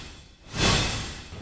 ya terima kasih